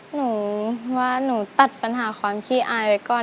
หนูว่าหนูตัดปัญหาความขี้อายไว้ก่อน